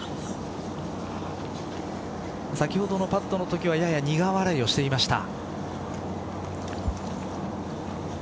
先ほどのパットのときはやや苦笑いしていました。